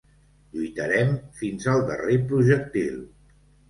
Lluitarem fins al darrer projectil.